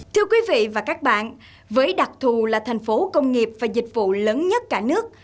thưa quý vị và các bạn với đặc thù là thành phố công nghiệp và dịch vụ lớn nhất cả nước